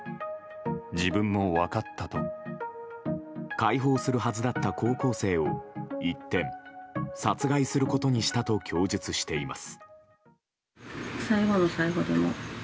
解放するはずだった高校生を一転、殺害することにしたと供述しています。